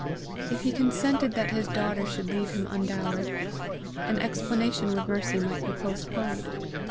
If he consented that his daughter should leave him undowered, an explanation with Mercy might be postponed.